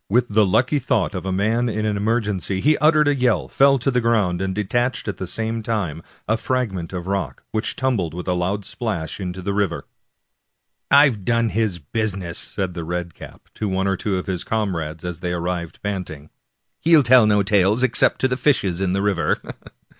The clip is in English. With the lucky thought of a man in an emergency, he uttered a yell, fell to the ground, and detached at the same time a fragment of the rock, which tumbled with a loud splash into the river. " I've done his business," said the red cap to one or two of his comrades as they arrived panting. " He'll tell no tales, except to the fishes in the river."